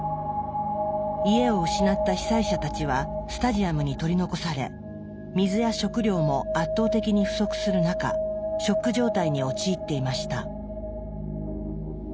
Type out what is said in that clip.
家を失った被災者たちはスタジアムに取り残され水や食料も圧倒的に不足する中ショック状態に陥っていました。